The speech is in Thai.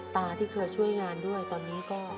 ที่เคยช่วยงานด้วยตอนนี้ก็